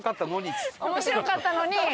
「面白かったのに」。